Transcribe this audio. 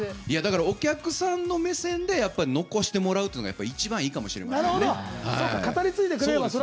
お客さんの目線で残してもらうっていうのが一番いいかもしれないですね。